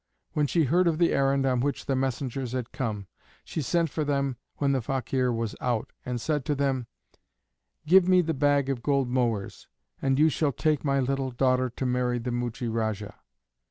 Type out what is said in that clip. When she heard of the errand on which the messengers had come, she sent for them when the Fakeer was out, and said to them: "Give me the bag of gold mohurs, and you shall take my little daughter to marry the Muchie Rajah."